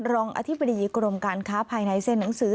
รองอธิบดีกรมการค้าภายในเซ็นหนังสือ